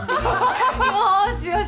よーしよし！